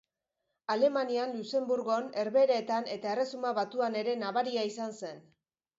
Alemanian, Luxenburgon, Herbehereetan eta Erresuma Batuan ere nabaria izan zen.